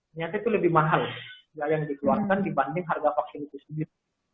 ternyata itu lebih mahal biaya yang dikeluarkan dibanding harga vaksin itu sendiri